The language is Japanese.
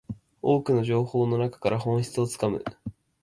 多くの情報の中から本質をつかむ